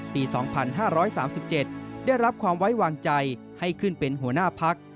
ปี๒๕๓๗ได้รับความไว้วางใจให้ขึ้นเป็นหัวหน้าพัก